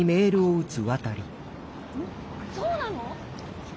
そうなの！？